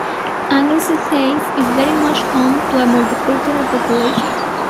Anglesey is very much home to a multicultural population.